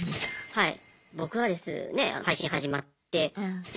はい。